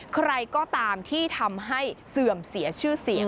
ใครก็ตามที่ทำให้เสื่อมเสียชื่อเสียง